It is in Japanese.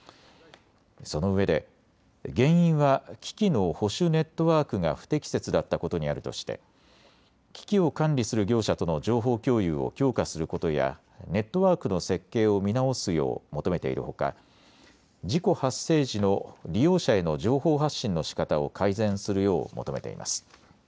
そのうえで原因は機器の保守ネットワークが不適切だったことにあるとして機器を管理する業者との情報共有を強化することやネットワークの設計を見直すよう求めているほか事故発生時の利用者への情報発信のしかたを改善するよう求めています。